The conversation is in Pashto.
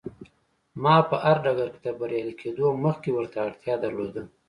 ما په هر ډګر کې تر بريالي کېدو مخکې ورته اړتيا درلوده.